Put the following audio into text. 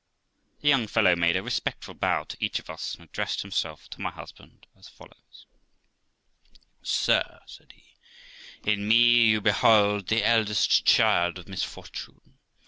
The young fellow made a respectful bow to each of us, and addressed himself to my husband as follows :' Sir ', said he, ' in me you behold the eldest child of misfortune.